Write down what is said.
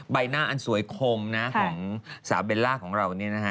ใบหน้าอันสวยคมนะของสาวเบลล่าของเราเนี่ยนะฮะ